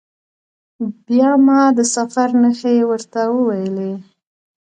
بیا ما د سفر نښې ورته وویلي.